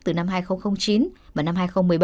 từ năm hai nghìn chín và năm hai nghìn một mươi bảy